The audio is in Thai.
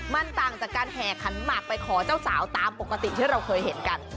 มันต่างจากการแห่ขันหมากไปขอเจ้าสาวตามปกติที่เราเคยเห็นกัน